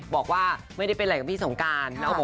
บอกว่าไม่ได้เป็นอะไรกับพี่สงการ